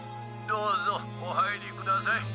「どうぞおはいりください」。